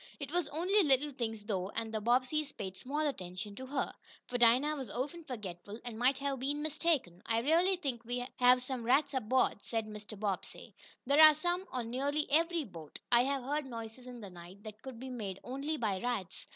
It was only little things, though, and the Bobbseys paid small attention to her, for Dinah was often forgetful, and might have been mistaken. "I really think we have some rats aboard," said Mr. Bobbsey. "There are some on nearly every boat. I have heard noises in the night that could be made only by rats."